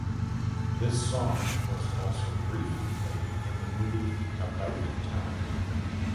This song was also briefly played in the movie "About Time".